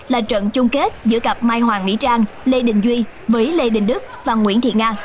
là trận chung kết giữa cặp mai hoàng mỹ trang lê đình duy với lê đình đức và nguyễn thị nga